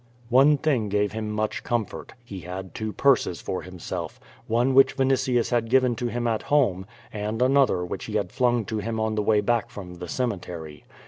One thing gave him much comfort; he had two purses for himself; one which Vinitius had given to him at home, and another which he had flung to him on the way back from the cemetery.